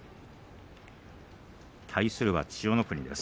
対するは千代の国です。